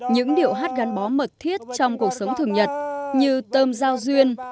những điệu hát gắn bó mật thiết trong cuộc sống thường nhật như tôm giao duyên